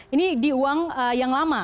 ini di uang yang lama